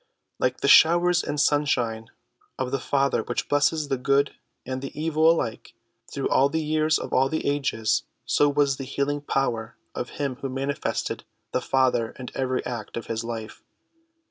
Like the showers and sunshine of the Father which bless the good and the evil alike through all the years of all the ages, so was the healing power of him who manifested the Father in every act of his life.